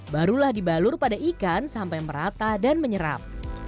barulah dibalur pada ikan sampai merata dan menyerap